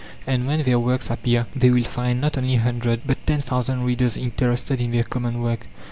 And when their works appear, they will find not only a hundred, but ten thousand readers interested in their common work.